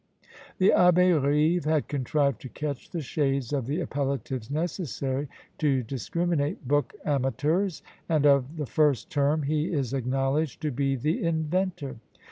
The Abbé Rive had contrived to catch the shades of the appellatives necessary to discriminate book amateurs; and of the first term he is acknowledged to be the inventor.